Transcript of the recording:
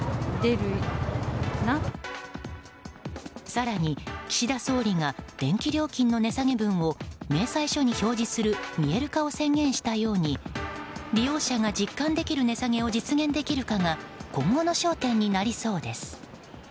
更に岸田総理が電気料金の値下げ分を明細書に表示する見える化を宣言したように利用者が実感できる値下げを実現できるかが今後の焦点になりそうです。